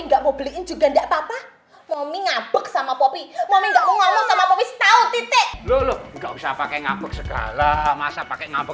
enggak mau beliin juga enggak papa momi ngabek sama popi momi enggak mau ngomong sama popi